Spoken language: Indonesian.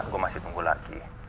gue masih tunggu lagi